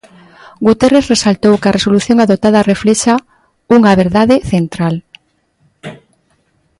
Guterres resaltou que a resolución adoptada reflexa "unha verdade central".